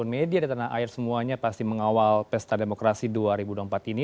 mereka pasti mengawal pesta demokrasi dua ribu empat ini